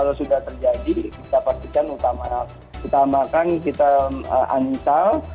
kalau sudah terjadi kita pastikan utamakan kita anissal